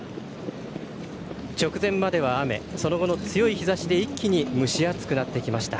直前までは雨その後の強い日ざしで一気に蒸し暑くなってきました。